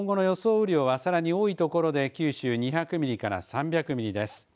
雨量はさらに多い所で九州２００ミリから３００ミリです。